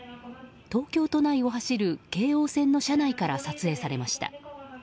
東京都内を走る京王線の車内から撮影されました。